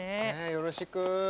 よろしく。